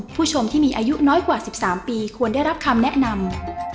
ผู้ชมที่มีอายุน้อยกว่า๑๓ปีควรได้รับคำแนะนำ